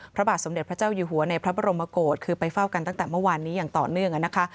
พระบาทสมเด็จพระเจ้าอยู่หัวในพระบรมโกศคือไปเฝ้ากันตั้งแต่เมื่อวานนี้อย่างต่อเนื่องนะคะ